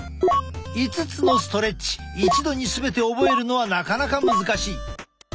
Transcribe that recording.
５つのストレッチ一度に全て覚えるのはなかなか難しい。